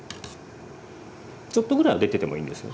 ちょっとぐらいは出ててもいいんですよ。